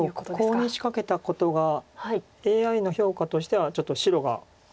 コウに仕掛けたことがＡＩの評価としてはちょっと白が無理。